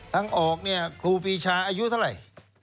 ทางออกเนี่ยครูปีชาอายุเท่าไหร่